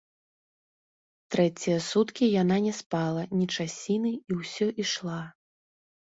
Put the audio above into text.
Трэція суткі яна не спала ні часіны і ўсё ішла.